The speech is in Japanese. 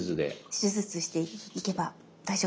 手術していけば大丈夫です。